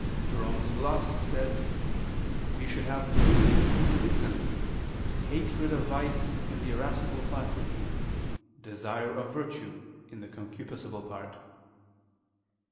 Jerome's gloss says: "We should have prudence in the reason; hatred of vice in the irascible faculty; desire of virtue, in the concupiscible part."